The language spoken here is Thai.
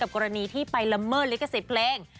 กรณีที่ไปละเมิดลิขสิทธิ์เพลง